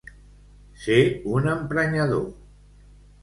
Ser un emprenyador.